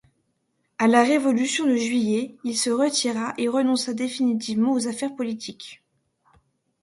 À la révolution de Juillet, il se retira et renonça définitivement aux affaires politiques.